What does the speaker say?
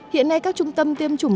hiện nay các trung tâm tiêm chủng